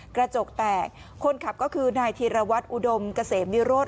กระจกแตกคนขับก็คือนายธีรวัตรอุดมเกษมวิโรธ